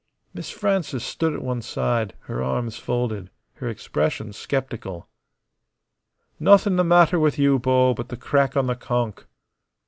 Miss Frances stood at one side, her arms folded, her expression skeptical. "Nothin' the matter with you, Bo, but the crack on the conk."